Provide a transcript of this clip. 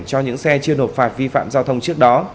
cho những xe chưa nộp phạt vi phạm giao thông trước đó